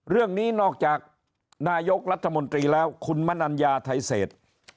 เรื่องนี้นอกจากนายกรัฐมนตรีแล้วคุณมนัญญาไทยเศษ